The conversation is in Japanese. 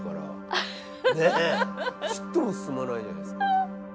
ちっとも進まないじゃないですか。